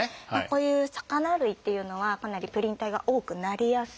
こういう魚類というのはかなりプリン体が多くなりやすいので。